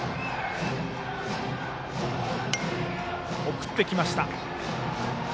送ってきました。